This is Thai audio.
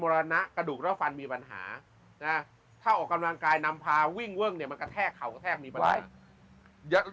มันมีปัญหาถ้ากำลังกายนำพาวิ่งเวิงมันกระแทกเขาก็แทกมีปัญหา